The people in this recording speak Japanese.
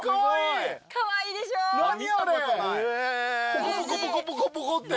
ポコポコポコポコポコって。